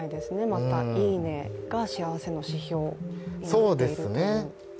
また、いいねが幸せの指標になっているというのは。